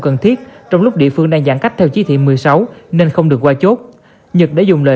biết trong lúc địa phương đang giãn cách theo chí thị một mươi sáu nên không được qua chốt nhật đã dùng lời